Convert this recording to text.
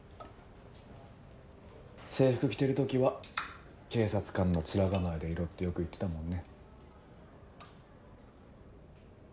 制服着てる時は警察官の面構えでいろってよく言ってたもんね。